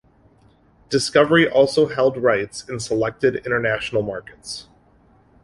Discovery also held rights in selected international markets.